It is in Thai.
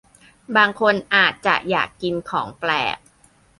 บางคนอาจจะอยากกินของแปลก